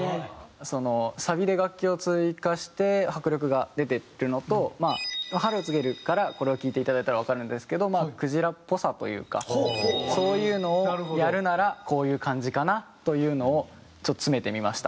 そのサビで楽器を追加して迫力が出てるのとまあ『春を告げる』からこれを聴いていただいたらわかるんですけどまあくじらっぽさというかそういうのをやるならこういう感じかなというのをちょっと詰めてみました。